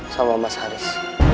sama mas haris